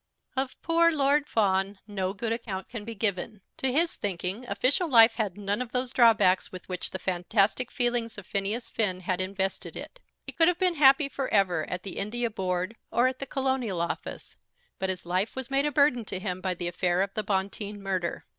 Of poor Lord Fawn no good account can be given. To his thinking, official life had none of those drawbacks with which the fantastic feelings of Phineas Finn had invested it. He could have been happy for ever at the India Board or at the Colonial Office; but his life was made a burden to him by the affair of the Bonteen murder.